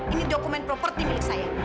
ini dokumen properti milik saya